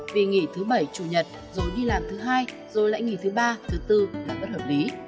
vì nghỉ thứ bảy chủ nhật rồi đi làm thứ hai rồi lại nghỉ thứ ba thứ bốn là bất hợp lý